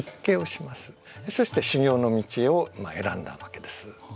そして修行の道を選んだわけです。